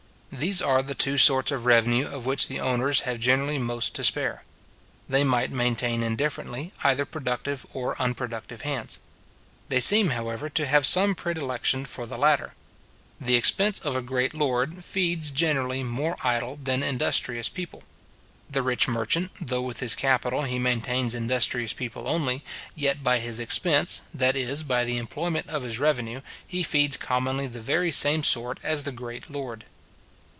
These are the two sorts of revenue of which the owners have generally most to spare. They might both maintain indifferently, either productive or unproductive hands. They seem, however, to have some predilection for the latter. The expense of a great lord feeds generally more idle than industrious people. The rich merchant, though with his capital he maintains industrious people only, yet by his expense, that is, by the employment of his revenue, he feeds commonly the very same sort as the great lord.